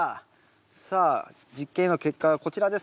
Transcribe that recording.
さあ実験の結果はこちらですね。